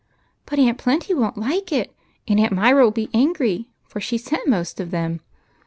" But Aunt Plenty won't like it ; and Aunt Myra will be angry, for she sent most of them